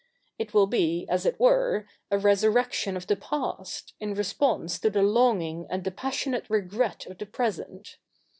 It will be, as it were, a resurrection of the past, in response to the longing and the passionate regret of the present.